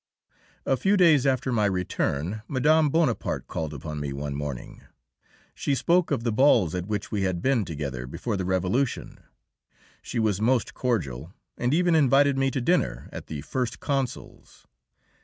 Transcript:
A few days after my return Mme. Bonaparte called upon me one morning. She spoke of the balls at which we had been together before the Revolution; she was most cordial, and even invited me to dinner at the First Consul's.